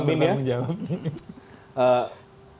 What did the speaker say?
amin yang benar yang menjawab